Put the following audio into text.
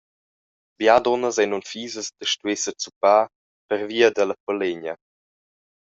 Bia dunnas ein unfisas da stuer sezuppar pervia dalla pelegna.